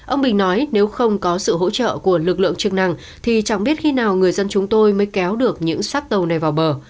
ông bình nói nếu không có sự hỗ trợ của lực lượng chức năng thì chẳng biết khi nào người dân chúng tôi mới kéo được những xác tàu này vào bờ